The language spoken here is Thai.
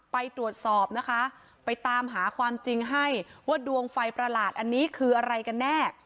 ไปตรวจสอบนะคะไปตามหาความจริงให้ว่าดวงไฟประหลาดอันนี้คืออะไรกันแน่